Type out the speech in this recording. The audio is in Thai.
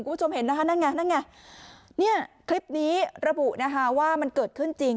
คุณผู้ชมเห็นนั่นไงนี่คลิปนี้ระบุว่ามันเกิดขึ้นจริง